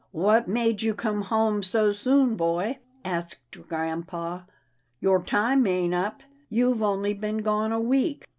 " What made you come home so soon, boy ?" asked grampa, " your time ain't up — you've only been gone a week."